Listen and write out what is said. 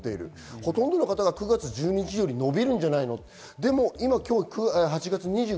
ほとんどの方が９月１２日より伸びるんじゃないのと思っている。